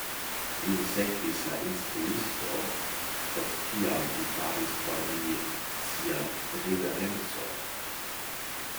Lin sekvis la instruisto, post kiam li faris por mi sian riverencon.